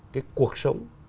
cái cuộc sống